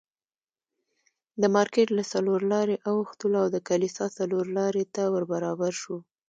د مارکېټ له څلور لارې اوښتلو او د کلیسا څلورلارې ته ور برابر شوو.